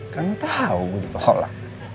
kan lo tau gue ditolak